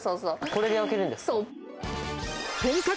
これで焼けるんですか。